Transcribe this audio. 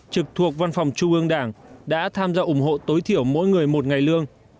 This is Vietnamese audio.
trực thuộc văn phòng trung ương đảng đã tham gia ủng hộ tối thiểu mỗi người một ngày lương